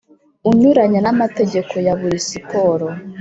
unyuranya n amategeko ya buri siporo